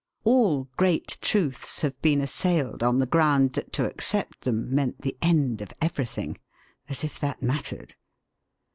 All great truths have been assailed on the ground that to accept them meant the end of everything. As if that mattered!